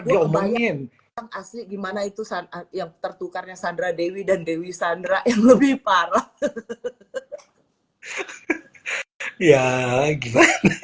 mau main gimana itu saat yang tertukarnya sandra dewi dan dewi sandra yang lebih parah